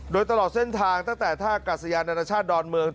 โดยตลอดเส้นทางตั้งแต่ท่ากัศยานานาชาติดอนเมือง